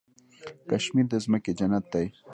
کشمیر د ځمکې جنت دی.